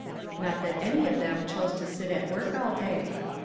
Not that any of them chose to sit at work all day.